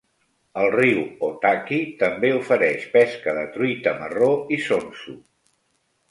El riu Otaki també ofereix pesca de truita marró i sonso.